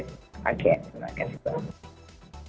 terima kasih mbak